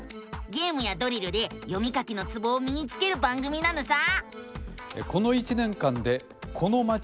ゲームやドリルで読み書きのツボをみにつける番組なのさ！